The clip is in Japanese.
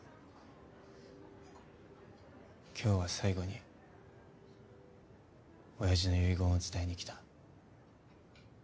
今日は最後におやじの遺言を伝えにきた。